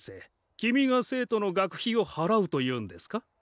君が生徒の学費を払うというんですか？